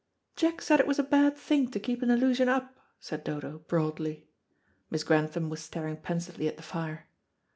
"Jack said it was a bad thing to keep an illusion up," said Dodo, broadly. Miss Grantham was staring pensively at the fire.